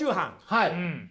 はい。